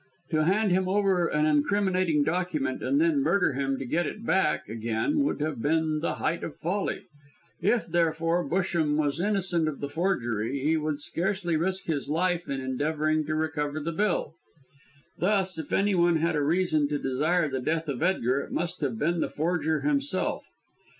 To hand him over an incriminating document and then murder him to get it back again would have been the height of folly. If, therefore, Busham was innocent of the forgery, he would scarcely risk his life in endeavouring to recover the bill. Thus, if anyone had a reason to desire the death of Edgar, it must have been the forger himself.